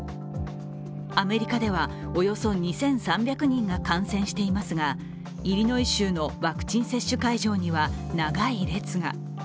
アメリカでは、およそ２３００人が感染していますがイリノイ州のワクチン接種会場には長い列が。